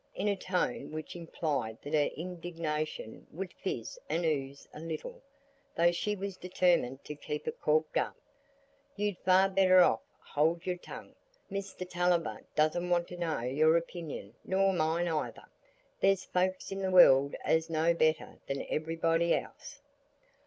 in a tone which implied that her indignation would fizz and ooze a little, though she was determined to keep it corked up, "you'd far better hold your tongue. Mr Tulliver doesn't want to know your opinion nor mine either. There's folks in the world as know better than everybody else."